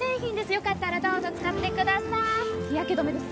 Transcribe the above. よかったらどうぞ使ってください日焼け止めです